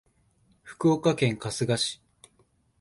福岡県春日市